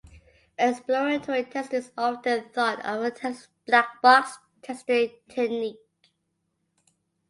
Exploratory testing is often thought of as a black box testing technique.